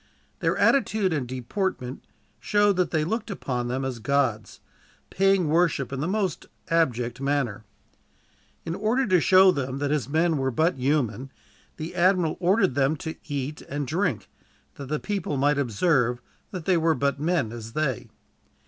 Their attitude and deportment showed that they looked upon them as gods, paying worship in the most abject manner. In order to show them that his men were but human, the admiral ordered them to eat and drink, that the people might observe that they were but men, as they.